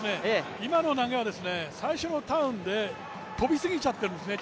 今の投げは最初のターンで飛びすぎちゃってるんですね。